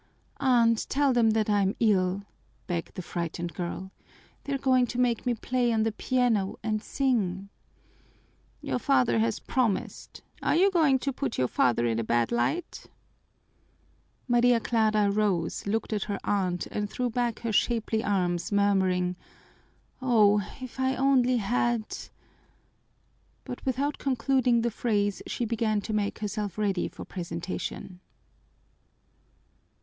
"Aunt, tell them that I'm ill," begged the frightened girl. "They're going to make me play on the piano and sing." "Your father has promised. Are you going to put your father in a bad light?" Maria Clara rose, looked at her aunt, and threw back her shapely arms, murmuring, "Oh, if I only had " But without concluding the phrase she began to make herself ready for presentation.